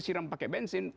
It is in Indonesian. siram pakai bensin